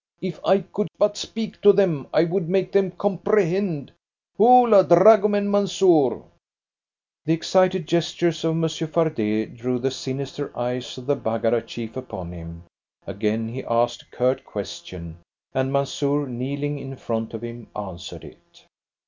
If I could but speak to them, I would make them comprehend. Hola, dragoman, Mansoor!" The excited gestures of Monsieur Fardet drew the sinister eyes of the Baggara chief upon him. Again he asked a curt question, and Mansoor, kneeling in front of him, answered it.